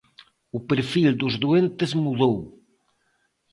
O perfil dos doentes mudou.